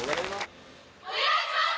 お願いします！